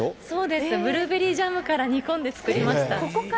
そうなんです、ブルーベリージャムから煮込んで作りました。